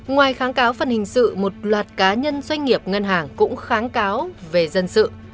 ngoài kháng cáo phần hình sự một loạt cá nhân doanh nghiệp ngân hàng cũng kháng cáo về dân sự